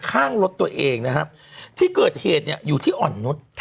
ข้างรถตัวเองนะครับที่เกิดเหตุเนี่ยอยู่ที่อ่อนนุษย์